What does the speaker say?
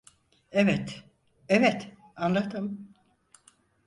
Evet, evet, anladım.